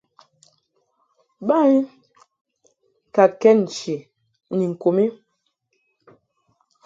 Ba I ka kɛd nchi ni ŋku mi.